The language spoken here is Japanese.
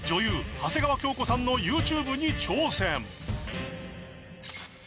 長谷川京子さんのＹｏｕＴｕｂｅに挑戦